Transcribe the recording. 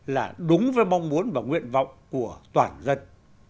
là đúng với mong muốn và nguyện vọng của toàn dân